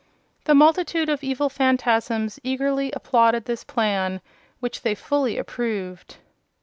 The multitude of evil Phanfasms eagerly applauded this plan, which they fully approved.